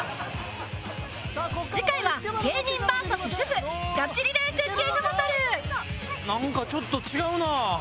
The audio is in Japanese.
次回は芸人 ＶＳ 主婦ガチリレークッキングバトルなんかちょっと違うなあ。